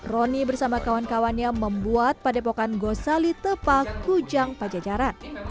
rony bersama kawan kawannya membuat padepokan gosali tepah kujang pajacaran